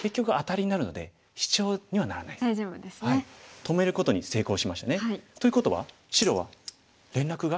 止めることに成功しましたね。ということは白は連絡が。